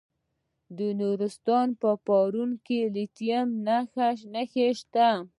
د نورستان په پارون کې د لیتیم نښې شته.